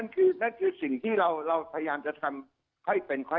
นั่นคือนั่นคือสิ่งที่เราพยายามจะทำค่อยเป็นค่อย